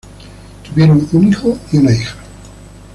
Tuvieron un hijo y una hija.